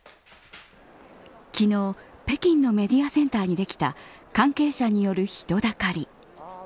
昨日北京のメディアセンターにできた関係者による人だかり。